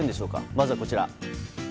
まずは、こちら。